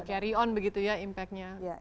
carry on begitu ya impactnya